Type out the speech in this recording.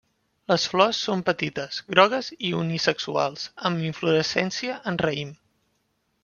Les flors són petites, grogues i unisexuals, amb inflorescència en raïm.